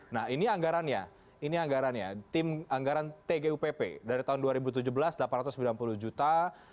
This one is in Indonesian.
nah ini anggarannya ini anggarannya tim anggaran tgupp dari tahun dua ribu tujuh belas delapan ratus sembilan puluh juta